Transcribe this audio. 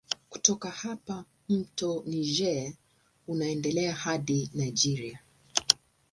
Kutoka hapa mto Niger unaendelea hadi Nigeria.